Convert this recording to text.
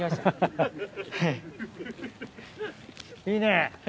いいね！